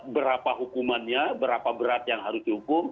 berapa hukumannya berapa berat yang harus dihukum